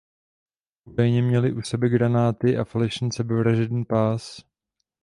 Údajně měli u sebe granáty a falešný sebevražedný pás.